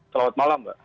selamat malam mbak